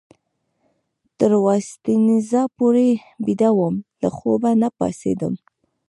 تر وایسینزا پورې بیده وم، له خوبه نه پاڅېدم.